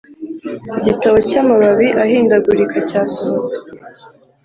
igitabo cyamababi ahindagurika cyasohotse